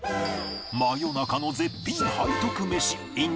真夜中の絶品背徳メシ ｉｎ